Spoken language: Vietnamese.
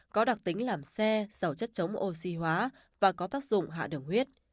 có đặc tính làm xe dầu chất chống oxy hóa và có tác dụng hạ đường huyết